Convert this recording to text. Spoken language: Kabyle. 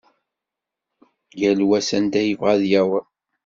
Yal wa s anda yebɣa ad yaweḍ.